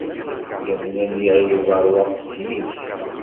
Yamina n Yiɣil Ubeṛwaq teslek.